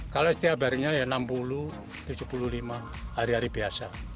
kalau setiap harinya ya enam puluh tujuh puluh lima hari hari biasa